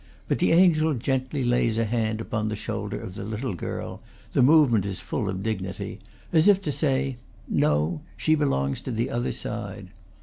But the angel gently lays a hand upon the shoulder of the little girl the movement is full of dignity as if to say, "No; she belongs to the other side."